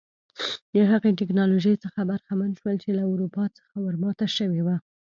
د هغې ټکنالوژۍ څخه برخمن شول چې له اروپا څخه ور ماته شوې وه.